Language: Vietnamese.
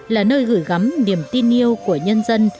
là nơi gửi gắm niềm tin yêu của nhân dân